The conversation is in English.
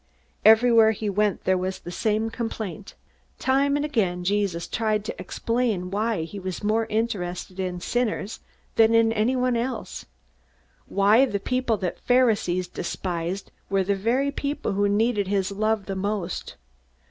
Everywhere he went, there was the same complaint. Time and time again Jesus tried to explain why he was more interested in sinners than in anyone else. Why, the people that the Pharisees despised were the very people who needed his love the most!